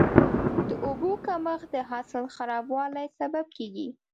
د اوبو کمښت د حاصل د خرابوالي سبب کېږي.